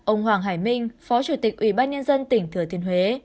ông hoàng hải minh phó chủ tịch ủy ban nhân dân tỉnh thừa thiên huế